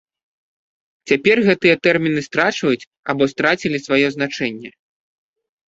Цяпер гэтыя тэрміны страчваюць або страцілі сваё значэнне.